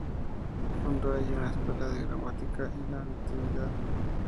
Fundó allí una escuela de gramática y latinidad.